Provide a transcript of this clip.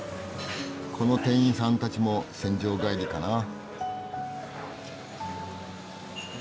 この店員さんたちも戦場帰りかな。